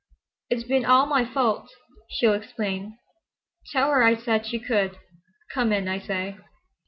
It's been all my fault—she'll explain. Tell her I said she could. Come in, I say."